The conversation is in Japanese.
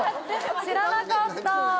知らなかった。